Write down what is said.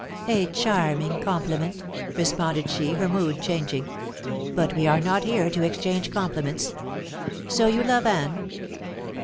"A charming compliment," responded she, her mood changing, "but we are not here to exchange compliments. So you love Anne?"